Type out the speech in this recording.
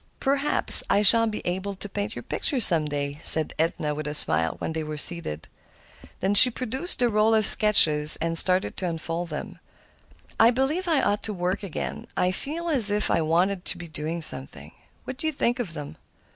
"Perhaps I shall be able to paint your picture some day," said Edna with a smile when they were seated. She produced the roll of sketches and started to unfold them. "I believe I ought to work again. I feel as if I wanted to be doing something. What do you think of them?